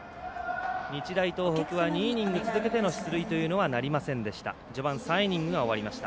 日大東北は２イニング続けての出塁というのはなりませんでした。